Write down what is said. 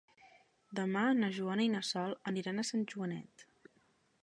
Demà na Joana i na Sol aniran a Sant Joanet.